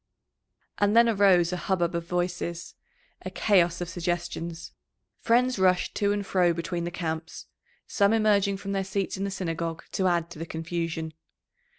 And then arose a hubbub of voices, a chaos of suggestions; friends rushed to and fro between the camps, some emerging from their seats in the Synagogue to add to the confusion.